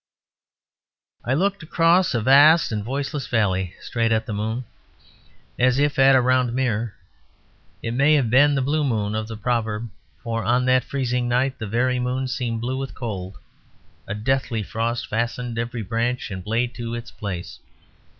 I looked across a vast and voiceless valley straight at the moon, as if at a round mirror. It may have been the blue moon of the proverb; for on that freezing night the very moon seemed blue with cold. A deathly frost fastened every branch and blade to its place.